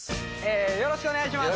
よろしくお願いします。